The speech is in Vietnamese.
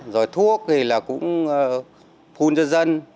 rồi thuốc thì cũng phun cho dân